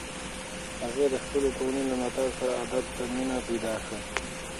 هغې د خپلې کورنۍ له ملاتړ سره ادب ته مینه پیدا کړه.